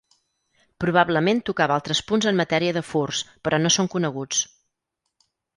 Probablement tocava altres punts en matèria de furts però no són coneguts.